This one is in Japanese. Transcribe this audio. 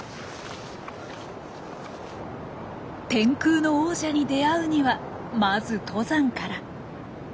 天空の王者に出会うにはまず登山から。